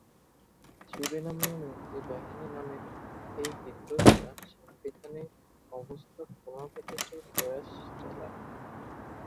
সুরিনামীয় মুক্তিবাহিনী নামের এই বিদ্রোহীরা সাংবিধানিক অবস্থা পুনঃপ্রতিষ্ঠার প্রয়াস চালায়।